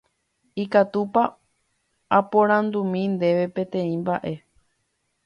Ikatúpa aporandumi ndéve peteĩ mba'e.